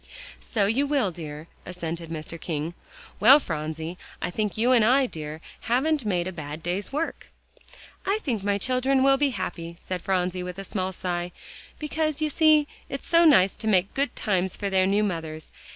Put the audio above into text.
"So you will, dear," assented Mr. King. "Well, Phronsie, I think you and I, dear, haven't made a bad day's work." "I think my children will be happy," said Phronsie with a small sigh, "because you see it's so nice to make good times for their new mothers.